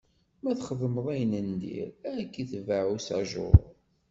Ma txedmeḍ ayen n dir, Ad k-itbaɛ usajuṛ.